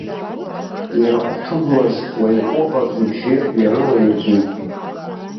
Ирыхҭыгәлаз уаҩ ҟәыӷак ибжьы ҩарылаиргеит.